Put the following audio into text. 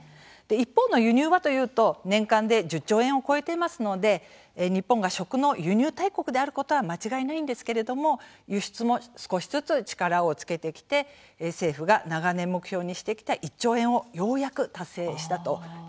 一方の輸入はというと年間で１０兆円を超えていますので日本が食の輸入大国であることは間違いないんですけれども輸出も少しずつ力をつけてきて政府が長年目標にしてきた１兆円をようやく達成したという形なんです。